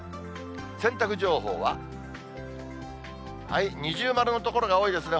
洗濯情報は二重丸の所が多いですね。